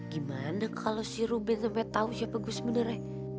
gimana kalau si ruben sampai tau siapa gue sebenernya